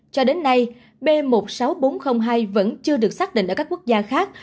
cho đến nay b một mươi sáu nghìn bốn trăm linh hai vẫn chưa được xác định ở các quốc gia khác